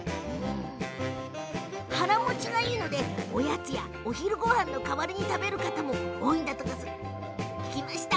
腹もちがいいのでおやつや、お昼ごはんの代わりに食べる人が多いんだとか。